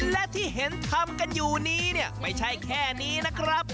และที่เห็นทำกันอยู่นี้เนี่ยไม่ใช่แค่นี้นะครับ